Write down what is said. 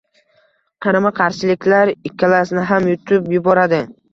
Qarama -qarshiliklar ikkalasini ham yutib yuboradi